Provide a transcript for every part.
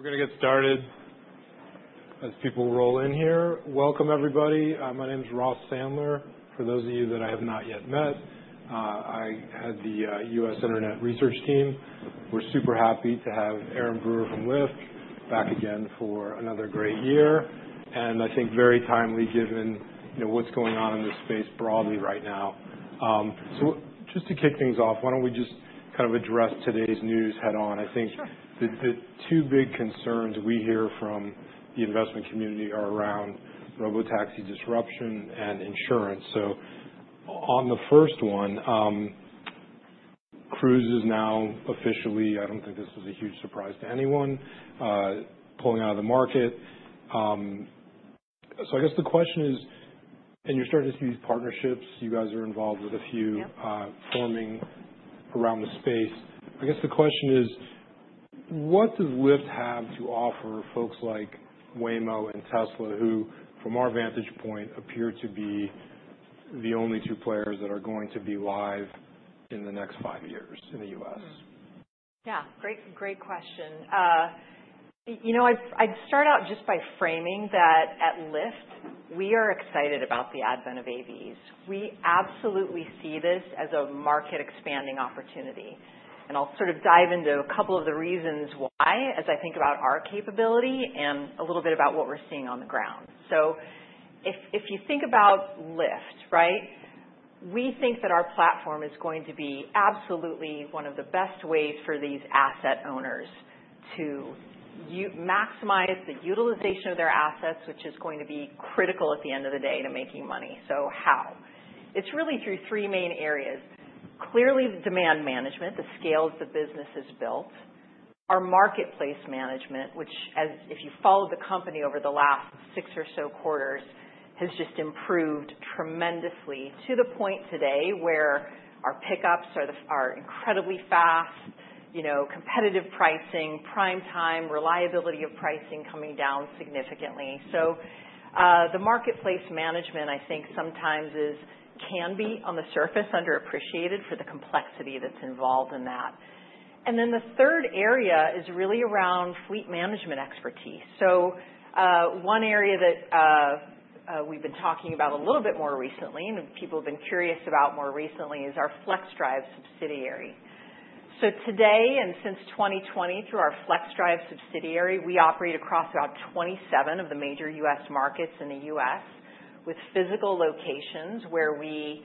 We're going to get started as people roll in here. Welcome, everybody. My name is Ross Sandler. For those of you that I have not yet met, I head the U.S. Internet Research Team. We're super happy to have Erin Brewer from Lyft back again for another great year. And I think very timely given what's going on in this space broadly right now. So just to kick things off, why don't we just kind of address today's news head-on? I think the two big concerns we hear from the investment community are around robotaxi disruption and insurance. So on the first one, Cruise is now officially, I don't think this was a huge surprise to anyone, pulling out of the market. So I guess the question is, and you're starting to see these partnerships. You guys are involved with a few forming around the space. I guess the question is, what does Lyft have to offer folks like Waymo and Tesla who, from our vantage point, appear to be the only two players that are going to be live in the next five years in the U.S.? Yeah. Great question. I'd start out just by framing that at Lyft, we are excited about the advent of AVs. We absolutely see this as a market-expanding opportunity, and I'll sort of dive into a couple of the reasons why as I think about our capability and a little bit about what we're seeing on the ground, so if you think about Lyft, we think that our platform is going to be absolutely one of the best ways for these asset owners to maximize the utilization of their assets, which is going to be critical at the end of the day to making money, so how? It's really through three main areas. Clearly, the demand management, the scale of the business is built. Our marketplace management, which, if you follow the company over the last six or so quarters, has just improved tremendously to the point today where our pickups are incredibly fast, competitive pricing, Prime Time reliability of pricing coming down significantly, so the marketplace management, I think, sometimes can be, on the surface, underappreciated for the complexity that's involved in that, and then the third area is really around fleet management expertise, so one area that we've been talking about a little bit more recently, and people have been curious about more recently, is our Flexdrive subsidiary. So today, and since 2020, through our Flexdrive subsidiary, we operate across about 27 of the major U.S. markets in the U.S. with physical locations where we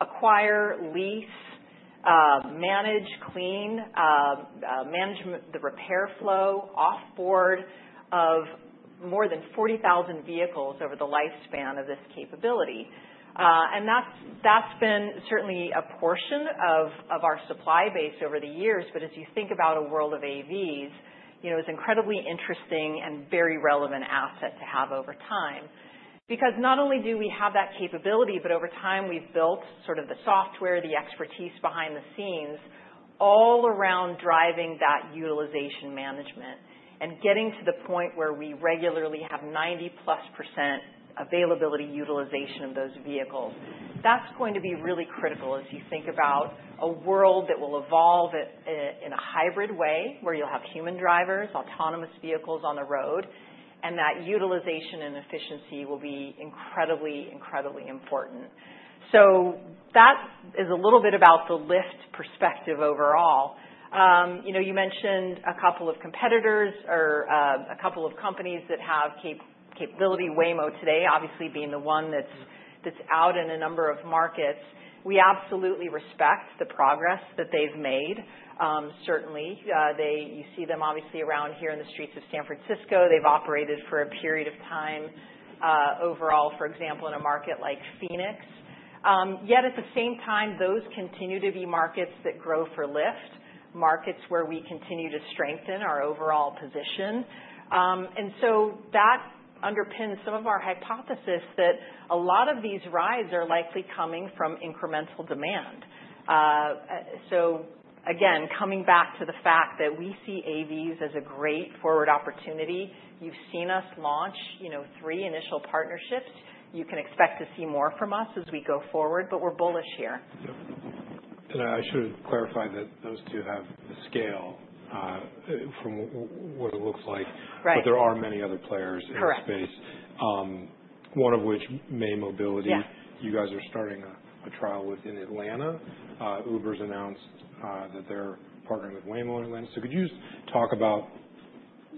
acquire, lease, manage, clean, manage the repair flow offboard of more than 40,000 vehicles over the lifespan of this capability. And that's been certainly a portion of our supply base over the years. But as you think about a world of AVs, it's an incredibly interesting and very relevant asset to have over time. Because not only do we have that capability, but over time, we've built sort of the software, the expertise behind the scenes all around driving that utilization management and getting to the point where we regularly have 90+ percent availability utilization of those vehicles. That's going to be really critical as you think about a world that will evolve in a hybrid way where you'll have human drivers, autonomous vehicles on the road, and that utilization and efficiency will be incredibly, incredibly important. So that is a little bit about the Lyft perspective overall. You mentioned a couple of competitors or a couple of companies that have capability. Waymo, today, obviously, being the one that's out in a number of markets, we absolutely respect the progress that they've made. Certainly, you see them obviously around here in the streets of San Francisco. They've operated for a period of time overall, for example, in a market like Phoenix. Yet at the same time, those continue to be markets that grow for Lyft, markets where we continue to strengthen our overall position. And so that underpins some of our hypothesis that a lot of these rides are likely coming from incremental demand. So again, coming back to the fact that we see AVs as a great forward opportunity. You've seen us launch three initial partnerships. You can expect to see more from us as we go forward, but we're bullish here. I should clarify that those two have scale from what it looks like, but there are many other players in the space, one of which is May Mobility. You guys are starting a trial within Atlanta. Uber's announced that they're partnering with Waymo in Atlanta. So could you just talk about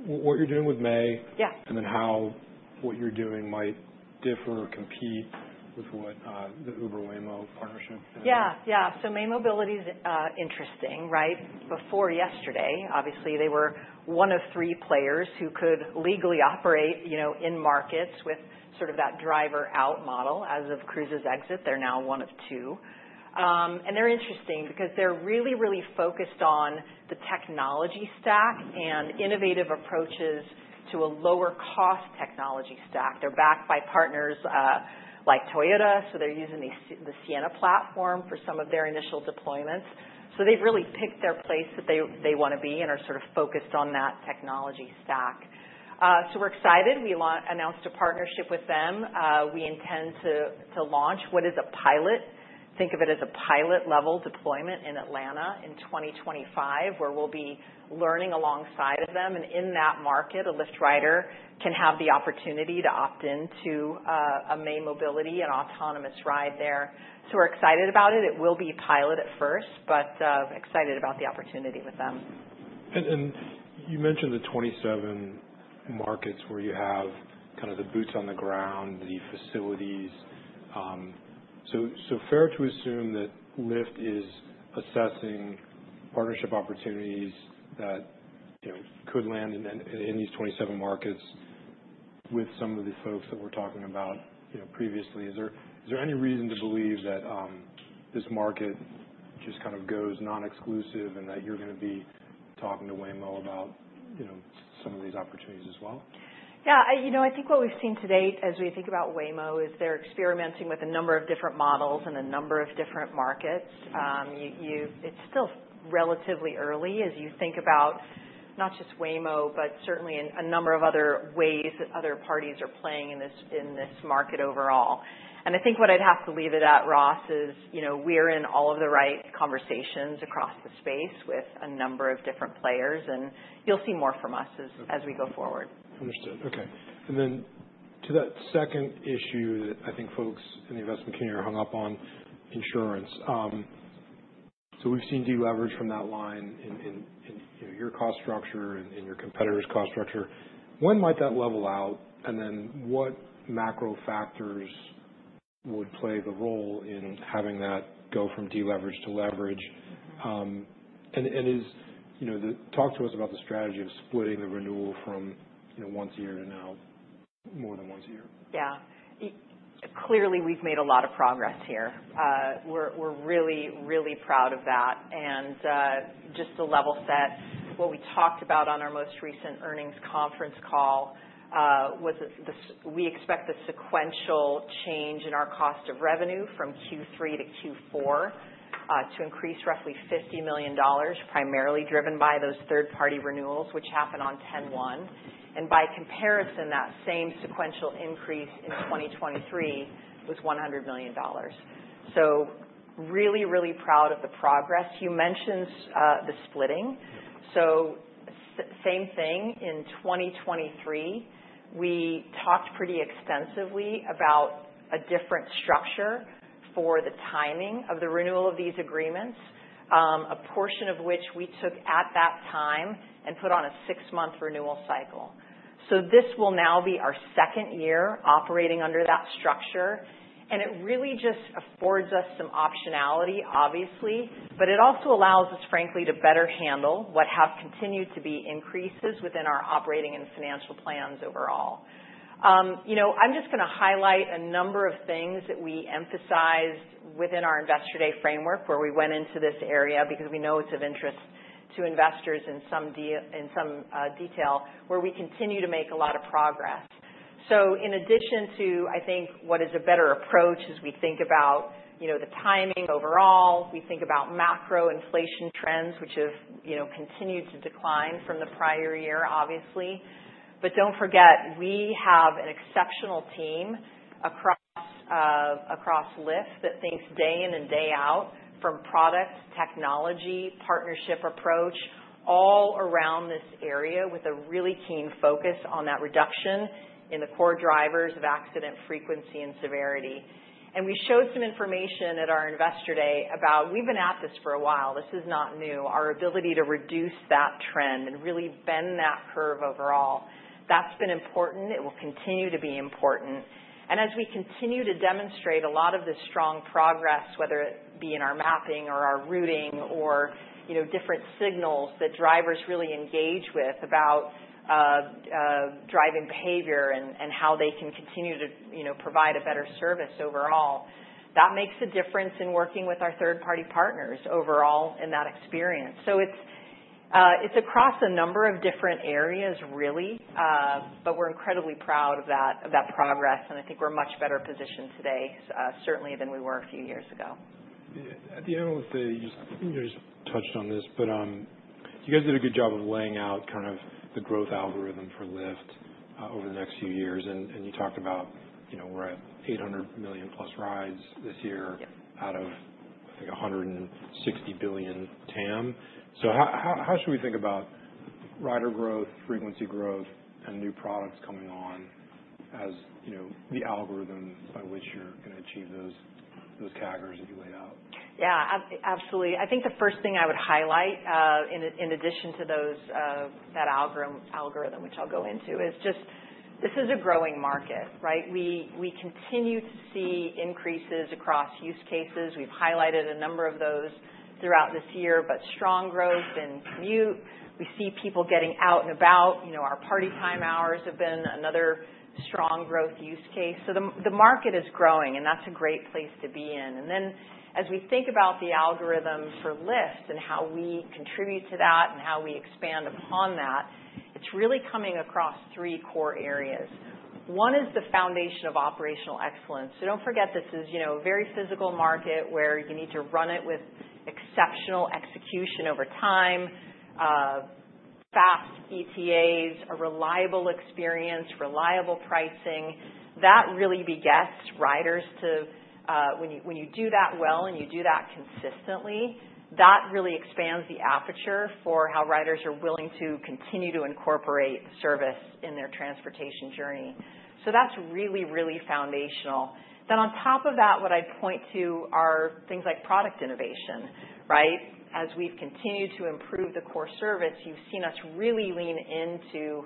what you're doing with May and then how what you're doing might differ or compete with the Uber-Waymo partnership? Yeah. Yeah. So May Mobility's interesting. Before yesterday, obviously, they were one of three players who could legally operate in markets with sort of that driver-out model. As of Cruise's exit, they're now one of two. And they're interesting because they're really, really focused on the technology stack and innovative approaches to a lower-cost technology stack. They're backed by partners like Toyota, so they're using the Sienna platform for some of their initial deployments. So they've really picked their place that they want to be and are sort of focused on that technology stack. So we're excited. We announced a partnership with them. We intend to launch what is a pilot (think of it as a pilot-level deployment) in Atlanta in 2025, where we'll be learning alongside of them. And in that market, a Lyft rider can have the opportunity to opt into a May Mobility, an autonomous ride there. So we're excited about it. It will be pilot at first, but excited about the opportunity with them. And you mentioned the 27 markets where you have kind of the boots on the ground, the facilities. So fair to assume that Lyft is assessing partnership opportunities that could land in these 27 markets with some of the folks that we're talking about previously. Is there any reason to believe that this market just kind of goes non-exclusive and that you're going to be talking to Waymo about some of these opportunities as well? Yeah. I think what we've seen to date as we think about Waymo is they're experimenting with a number of different models in a number of different markets. It's still relatively early as you think about not just Waymo, but certainly a number of other ways that other parties are playing in this market overall. And I think what I'd have to leave it at, Ross, is we're in all of the right conversations across the space with a number of different players, and you'll see more from us as we go forward. Understood. Okay. And then to that second issue that I think folks in the investment community are hung up on, insurance. So we've seen deleverage from that line in your cost structure and your competitors' cost structure. When might that level out? And then what macro factors would play the role in having that go from deleverage to leverage? And talk to us about the strategy of splitting the renewal from once a year to now, more than once a year. Yeah. Clearly, we've made a lot of progress here. We're really, really proud of that. And just to level set, what we talked about on our most recent earnings conference call was that we expect the sequential change in our cost of revenue from Q3 to Q4 to increase roughly $50 million, primarily driven by those third-party renewals, which happened on 10/01. And by comparison, that same sequential increase in 2023 was $100 million. So really, really proud of the progress. You mentioned the splitting. So same thing. In 2023, we talked pretty extensively about a different structure for the timing of the renewal of these agreements, a portion of which we took at that time and put on a six-month renewal cycle. So this will now be our second year operating under that structure. And it really just affords us some optionality, obviously, but it also allows us, frankly, to better handle what have continued to be increases within our operating and financial plans overall. I'm just going to highlight a number of things that we emphasized within our investor day framework where we went into this area because we know it's of interest to investors in some detail, where we continue to make a lot of progress. So in addition to, I think, what is a better approach as we think about the timing overall, we think about macro inflation trends, which have continued to decline from the prior year, obviously. But don't forget, we have an exceptional team across Lyft that thinks day in and day out from product, technology, partnership approach, all around this area with a really keen focus on that reduction in the core drivers of accident frequency and severity. And we showed some information at our investor day about we've been at this for a while. This is not new. Our ability to reduce that trend and really bend that curve overall, that's been important. It will continue to be important. And as we continue to demonstrate a lot of this strong progress, whether it be in our mapping or our routing or different signals that drivers really engage with about driving behavior and how they can continue to provide a better service overall, that makes a difference in working with our third-party partners overall in that experience. So it's across a number of different areas, really, but we're incredibly proud of that progress. And I think we're in a much better position today, certainly, than we were a few years ago. At the end of the day, you just touched on this, but you guys did a good job of laying out kind of the growth algorithm for Lyft over the next few years. And you talked about we're at 800 million-plus rides this year out of, I think, 160 billion TAM. So how should we think about rider growth, frequency growth, and new products coming on as the algorithm by which you're going to achieve those CAGRs that you laid out? Yeah. Absolutely. I think the first thing I would highlight, in addition to that algorithm, which I'll go into, is just this is a growing market. We continue to see increases across use cases. We've highlighted a number of those throughout this year, but strong growth in commute. We see people getting out and about. Our party time hours have been another strong growth use case. So the market is growing, and that's a great place to be in. And then as we think about the algorithm for Lyft and how we contribute to that and how we expand upon that, it's really coming across three core areas. One is the foundation of operational excellence. So don't forget, this is a very physical market where you need to run it with exceptional execution over time, fast ETAs, a reliable experience, reliable pricing. That really begets riders, too. When you do that well and you do that consistently, that really expands the aperture for how riders are willing to continue to incorporate service in their transportation journey. So that's really, really foundational. Then on top of that, what I'd point to are things like product innovation. As we've continued to improve the core service, you've seen us really lean into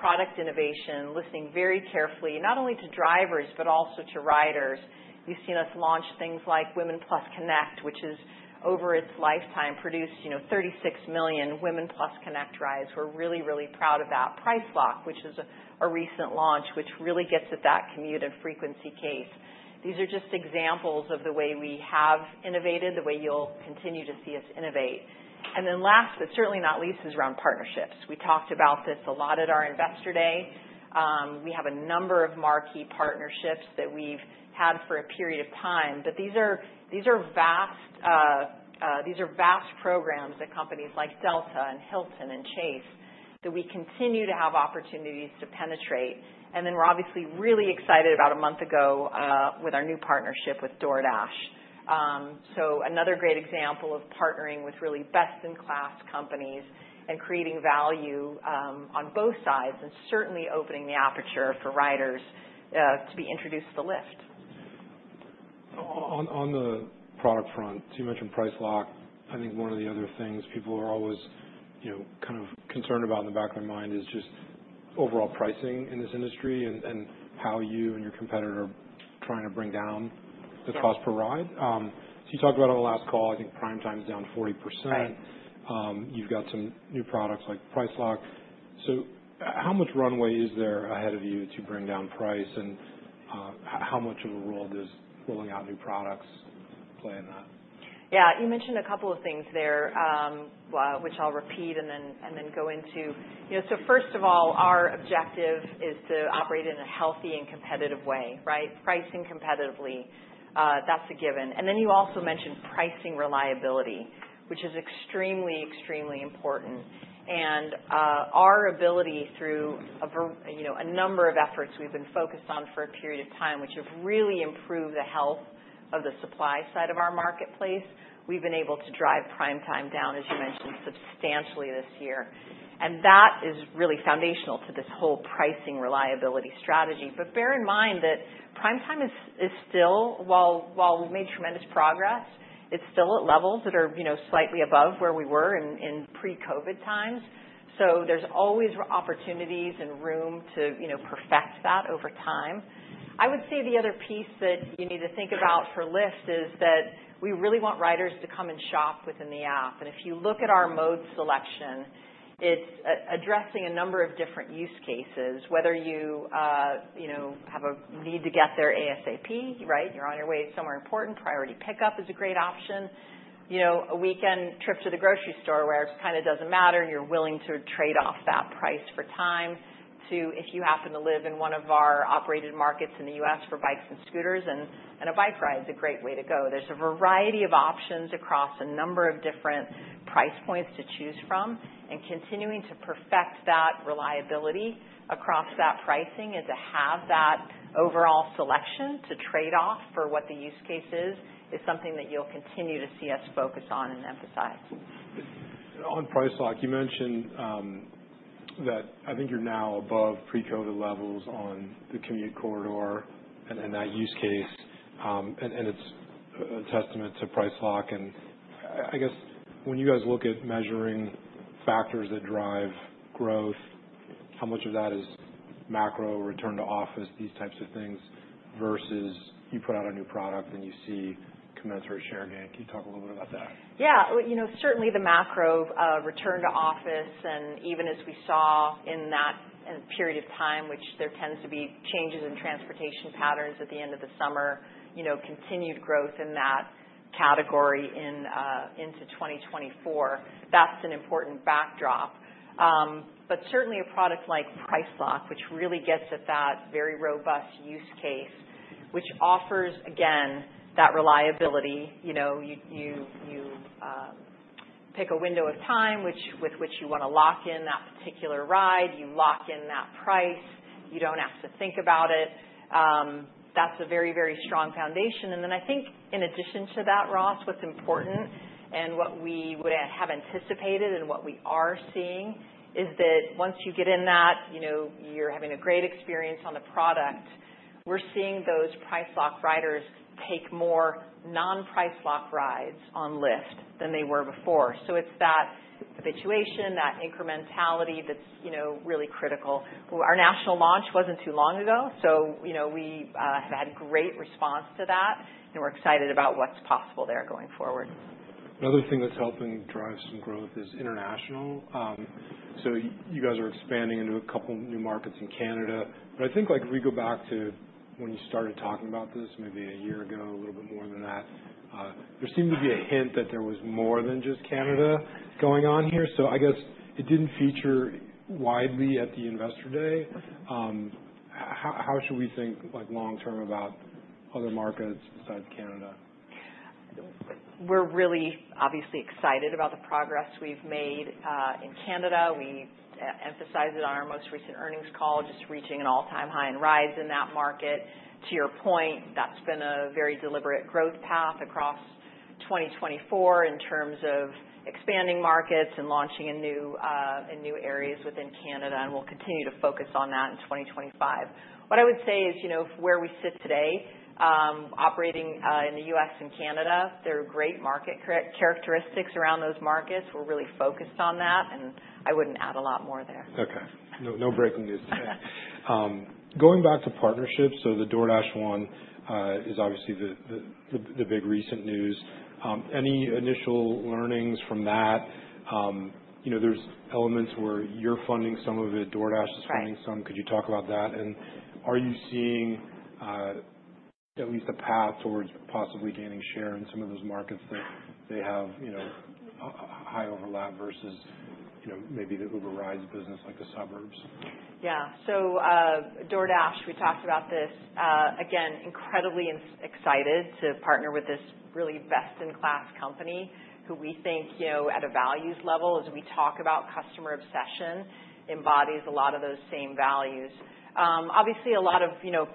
product innovation, listening very carefully, not only to drivers, but also to riders. You've seen us launch things like Women+ Connect, which is over its lifetime produced 36 million Women+ Connect rides. We're really, really proud of that. Price Lock, which is a recent launch, which really gets at that commute and frequency case. These are just examples of the way we have innovated, the way you'll continue to see us innovate. And then last, but certainly not least, is around partnerships. We talked about this a lot at our investor day. We have a number of marquee partnerships that we've had for a period of time, but these are vast programs that companies like Delta and Hilton and Chase that we continue to have opportunities to penetrate, and then we're obviously really excited about a month ago with our new partnership with DoorDash, so another great example of partnering with really best-in-class companies and creating value on both sides and certainly opening the aperture for riders to be introduced to Lyft. On the product front, so you mentioned Price Lock. I think one of the other things people are always kind of concerned about in the back of their mind is just overall pricing in this industry and how you and your competitor are trying to bring down the cost per ride. So you talked about on the last call, I think Prime Time is down 40%. You've got some new products like Price Lock. So how much runway is there ahead of you to bring down price? And how much of a role does rolling out new products play in that? Yeah. You mentioned a couple of things there, which I'll repeat and then go into. So first of all, our objective is to operate in a healthy and competitive way, pricing competitively. That's a given. And then you also mentioned pricing reliability, which is extremely, extremely important. And our ability through a number of efforts we've been focused on for a period of time, which have really improved the health of the supply side of our marketplace, we've been able to drive Prime Time down, as you mentioned, substantially this year. And that is really foundational to this whole pricing reliability strategy. But bear in mind that Prime Time is still, while we've made tremendous progress, it's still at levels that are slightly above where we were in pre-COVID times. So there's always opportunities and room to perfect that over time. I would say the other piece that you need to think about for Lyft is that we really want riders to come and shop within the app, and if you look at our mode selection, it's addressing a number of different use cases, whether you have a need to get there ASAP, you're on your way somewhere important, priority pickup is a great option, a weekend trip to the grocery store where it kind of doesn't matter and you're willing to trade off that price for time, too, if you happen to live in one of our operated markets in the U.S. for bikes and scooters, and a bike ride is a great way to go. There's a variety of options across a number of different price points to choose from. Continuing to perfect that reliability across that pricing and to have that overall selection to trade off for what the use case is is something that you'll continue to see us focus on and emphasize. On Price Lock, you mentioned that I think you're now above pre-COVID levels on the commute corridor and that use case, and it's a testament to Price Lock. And I guess when you guys look at measuring factors that drive growth, how much of that is macro return to office, these types of things, versus you put out a new product and you see compensatory share gain? Can you talk a little bit about that? Yeah. Certainly, the macro return to office and even as we saw in that period of time, which there tends to be changes in transportation patterns at the end of the summer, continued growth in that category into 2024. That's an important backdrop, but certainly a product like Price Lock, which really gets at that very robust use case, which offers, again, that reliability. You pick a window of time with which you want to lock in that particular ride. You lock in that price. You don't have to think about it. That's a very, very strong foundation, and then I think in addition to that, Ross, what's important and what we would have anticipated and what we are seeing is that once you get in that, you're having a great experience on the product. We're seeing those Price Lock riders take more non-Price Lock rides on Lyft than they were before. It's that habituation, that incrementality that's really critical. Our national launch wasn't too long ago, so we have had great response to that, and we're excited about what's possible there going forward. Another thing that's helping drive some growth is international. So you guys are expanding into a couple of new markets in Canada. But I think if we go back to when you started talking about this maybe a year ago, a little bit more than that, there seemed to be a hint that there was more than just Canada going on here. So I guess it didn't feature widely at the investor day. How should we think long-term about other markets besides Canada? We're really obviously excited about the progress we've made in Canada. We emphasized it on our most recent earnings call, just reaching an all-time high in rides in that market. To your point, that's been a very deliberate growth path across 2024 in terms of expanding markets and launching in new areas within Canada, and we'll continue to focus on that in 2025. What I would say is where we sit today, operating in the U.S. and Canada, there are great market characteristics around those markets. We're really focused on that, and I wouldn't add a lot more there. Okay. No breaking news today. Going back to partnerships, so the DoorDash one is obviously the big recent news. Any initial learnings from that? There's elements where you're funding some of it, DoorDash is funding some. Could you talk about that? And are you seeing at least a path towards possibly gaining share in some of those markets that they have high overlap versus maybe the Uber rides business like the suburbs? Yeah. So DoorDash, we talked about this. Again, incredibly excited to partner with this really best-in-class company who we think at a values level, as we talk about customer obsession, embodies a lot of those same values. Obviously, a lot of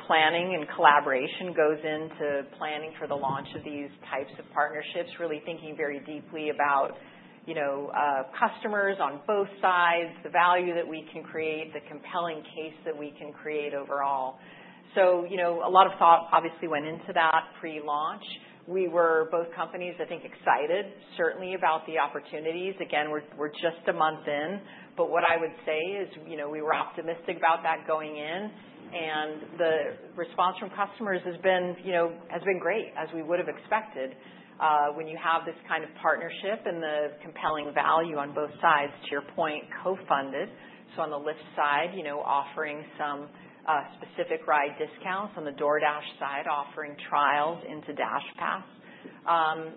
planning and collaboration goes into planning for the launch of these types of partnerships, really thinking very deeply about customers on both sides, the value that we can create, the compelling case that we can create overall. So a lot of thought obviously went into that pre-launch. We were both companies, I think, excited, certainly, about the opportunities. Again, we're just a month in, but what I would say is we were optimistic about that going in. And the response from customers has been great, as we would have expected, when you have this kind of partnership and the compelling value on both sides, to your point, co-funded. So, on the Lyft side, offering some specific ride discounts. On the DoorDash side, offering trials into DashPass. And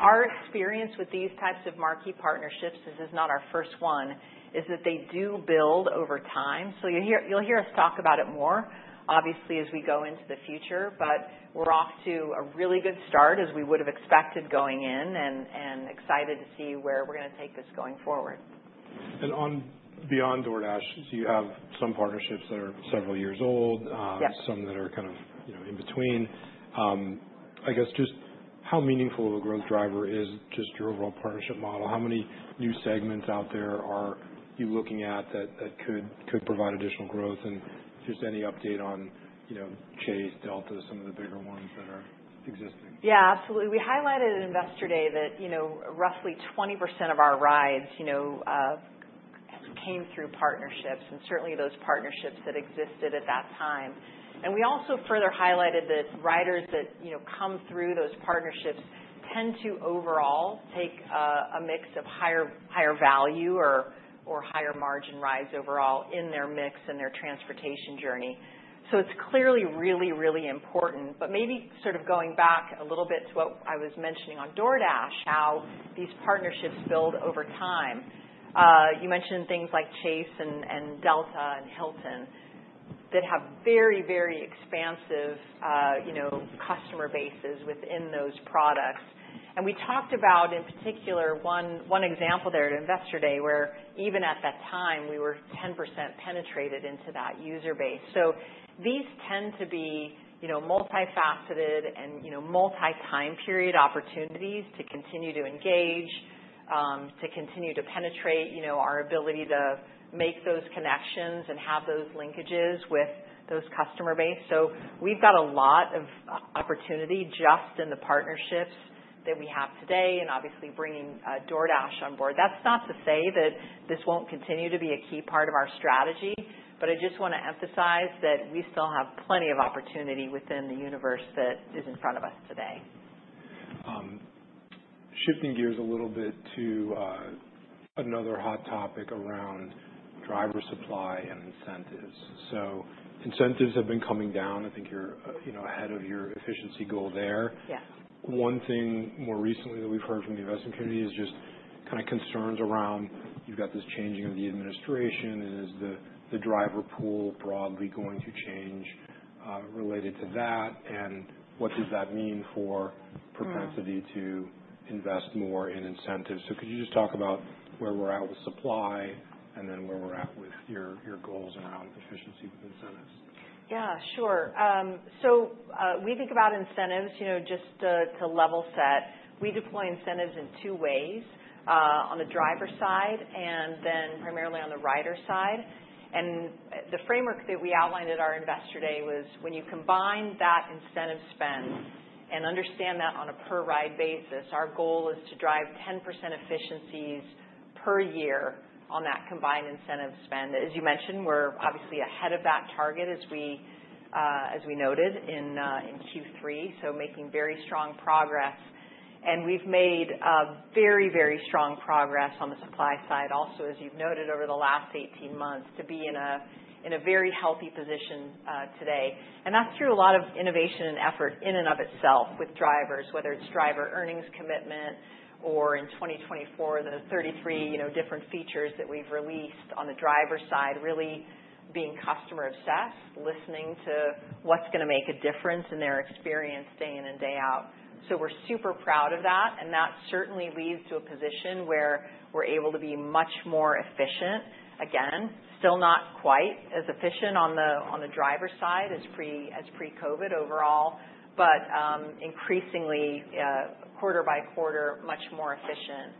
our experience with these types of marquee partnerships, this is not our first one, is that they do build over time. So, you'll hear us talk about it more, obviously, as we go into the future, but we're off to a really good start, as we would have expected going in, and excited to see where we're going to take this going forward. And beyond DoorDash, so you have some partnerships that are several years old, some that are kind of in between. I guess just how meaningful of a growth driver is just your overall partnership model? How many new segments out there are you looking at that could provide additional growth? And just any update on Chase, Delta, some of the bigger ones that are existing? Yeah, absolutely. We highlighted at investor day that roughly 20% of our rides came through partnerships, and certainly those partnerships that existed at that time. And we also further highlighted that riders that come through those partnerships tend to overall take a mix of higher value or higher margin rides overall in their mix and their transportation journey. So it's clearly really, really important. But maybe sort of going back a little bit to what I was mentioning on DoorDash, how these partnerships build over time. You mentioned things like Chase and Delta and Hilton that have very, very expansive customer bases within those products. And we talked about, in particular, one example there at investor day where even at that time, we were 10% penetrated into that user base. So these tend to be multifaceted and multi-time period opportunities to continue to engage, to continue to penetrate our ability to make those connections and have those linkages with those customer base. So we've got a lot of opportunity just in the partnerships that we have today and obviously bringing DoorDash on board. That's not to say that this won't continue to be a key part of our strategy, but I just want to emphasize that we still have plenty of opportunity within the universe that is in front of us today. Shifting gears a little bit to another hot topic around driver supply and incentives. So incentives have been coming down. I think you're ahead of your efficiency goal there. One thing more recently that we've heard from the investment community is just kind of concerns around you've got this changing of the administration. Is the driver pool broadly going to change related to that? And what does that mean for propensity to invest more in incentives? So could you just talk about where we're at with supply and then where we're at with your goals around efficiency with incentives? Yeah, sure. So we think about incentives just to level set. We deploy incentives in two ways, on the driver side and then primarily on the rider side. And the framework that we outlined at our investor day was when you combine that incentive spend and understand that on a per-ride basis, our goal is to drive 10% efficiencies per year on that combined incentive spend. As you mentioned, we're obviously ahead of that target as we noted in Q3, so making very strong progress. And we've made very, very strong progress on the supply side also, as you've noted over the last 18 months, to be in a very healthy position today. And that's through a lot of innovation and effort in and of itself with drivers, whether it's Driver Earnings Commitment or in 2024, the 33 different features that we've released on the driver side, really being customer-obsessed, listening to what's going to make a difference in their experience day in and day out. So we're super proud of that. And that certainly leads to a position where we're able to be much more efficient. Again, still not quite as efficient on the driver side as pre-COVID overall, but increasingly quarter by quarter, much more efficient.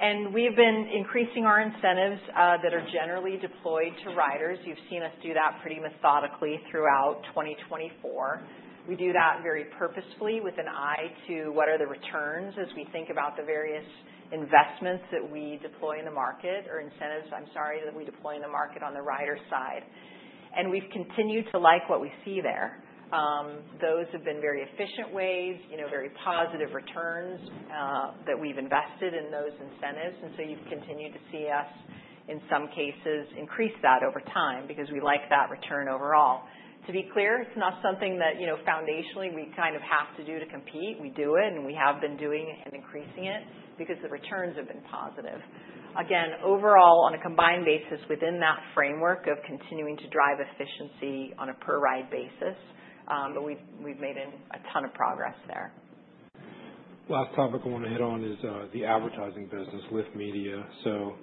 And we've been increasing our incentives that are generally deployed to riders. You've seen us do that pretty methodically throughout 2024. We do that very purposefully with an eye to what are the returns as we think about the various investments that we deploy in the market or incentives, I'm sorry, that we deploy in the market on the rider side. And we've continued to like what we see there. Those have been very efficient ways, very positive returns that we've invested in those incentives. And so you've continued to see us in some cases increase that over time because we like that return overall. To be clear, it's not something that foundationally we kind of have to do to compete. We do it, and we have been doing and increasing it because the returns have been positive. Again, overall, on a combined basis within that framework of continuing to drive efficiency on a per-ride basis, we've made a ton of progress there. Last topic I want to hit on is the advertising business, Lyft Media, so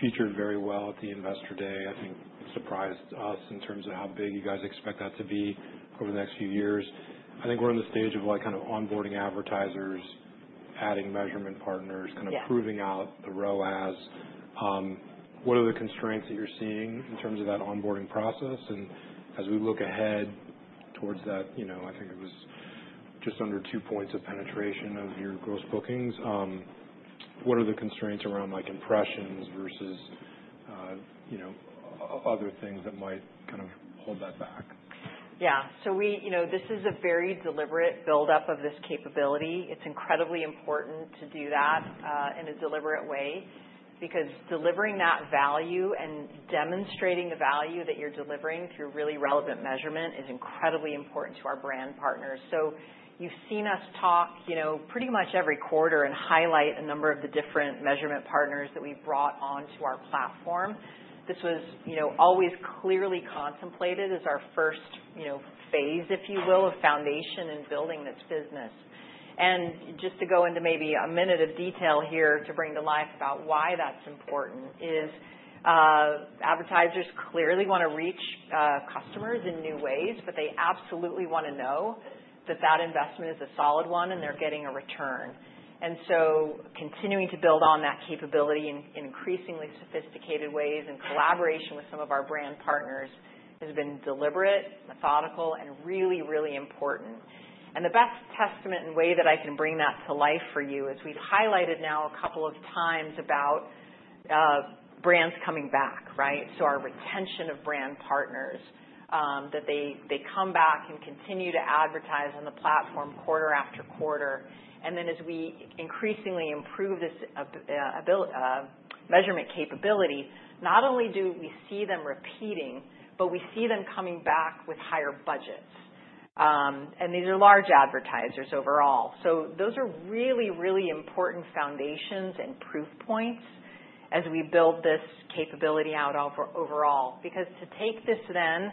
featured very well at the investor day. I think it surprised us in terms of how big you guys expect that to be over the next few years. I think we're in the stage of kind of onboarding advertisers, adding measurement partners, kind of proving out the ROAS. What are the constraints that you're seeing in terms of that onboarding process, and as we look ahead towards that, I think it was just under two points of penetration of your gross bookings. What are the constraints around impressions versus other things that might kind of hold that back? Yeah. So this is a very deliberate buildup of this capability. It's incredibly important to do that in a deliberate way because delivering that value and demonstrating the value that you're delivering through really relevant measurement is incredibly important to our brand partners. So you've seen us talk pretty much every quarter and highlight a number of the different measurement partners that we've brought onto our platform. This was always clearly contemplated as our first phase, if you will, of foundation and building this business. And just to go into maybe a minute of detail here to bring to life about why that's important is advertisers clearly want to reach customers in new ways, but they absolutely want to know that that investment is a solid one and they're getting a return. Continuing to build on that capability in increasingly sophisticated ways and collaboration with some of our brand partners has been deliberate, methodical, and really, really important. The best testament and way that I can bring that to life for you is we've highlighted now a couple of times about brands coming back, right? Our retention of brand partners, that they come back and continue to advertise on the platform quarter after quarter. Then as we increasingly improve this measurement capability, not only do we see them repeating, but we see them coming back with higher budgets. These are large advertisers overall. Those are really, really important foundations and proof points as we build this capability out overall. Because to take this then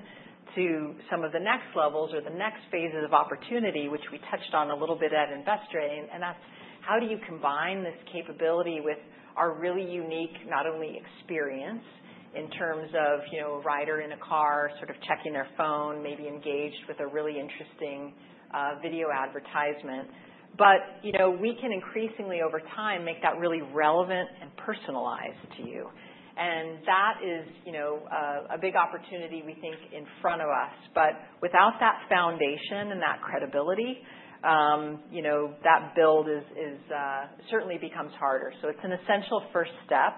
to some of the next levels or the next phases of opportunity, which we touched on a little bit at investor day, and that's how do you combine this capability with our really unique not only experience in terms of a rider in a car sort of checking their phone, maybe engaged with a really interesting video advertisement, but we can increasingly over time make that really relevant and personalized to you. And that is a big opportunity we think in front of us. But without that foundation and that credibility, that build certainly becomes harder. So it's an essential first step.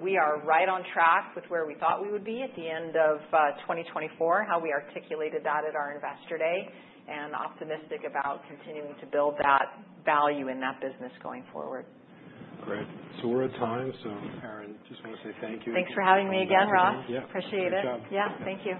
We are right on track with where we thought we would be at the end of 2024, how we articulated that at our investor day and optimistic about continuing to build that value in that business going forward. Great. So we're at time. So Erin, just want to say thank you. Thanks for having me again, Ross. Appreciate it. Good job. Yeah, thank you.